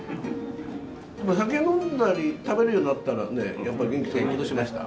お酒飲んだり、食べるようになったらね、やっぱり元気を取り戻しました。